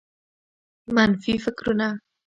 منفي فکرونه